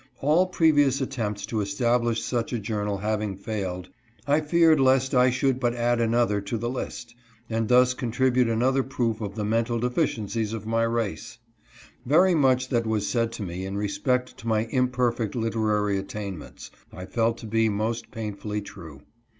All pre vious attempts to establish such a journal having failed, (320) ESTABLISHES "THE NORTH STAR." 321 I feared lest I should but add another to the list, and thus contribute another proof of the mental deficiencies of my race. Very much that was said to me in respect to my imperfect literary attainments I felt to be most painfully true.